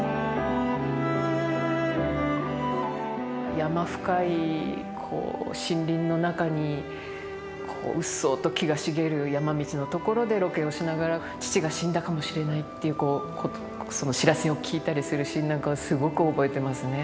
山深い森林の中にこううっそうと木が茂る山道の所でロケをしながら父が死んだかもしれないっていうその知らせを聞いたりするシーンなんかはすごく覚えてますね。